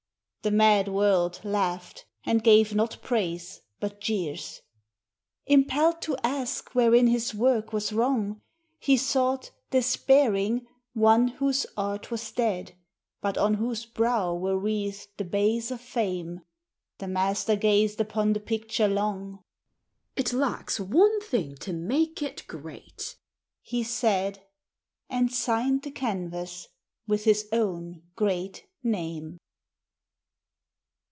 The mad world laughed, and gave not praise, but jeers. Impelled to ask Avherein his work was wrong, He sought, despairing, one whose art was dead, lint on whose brow were wreathed the bays of Fame : The master gazed upon the picture long; " It lacks one thing to make it great," he said, And signed the canvas with his own great name!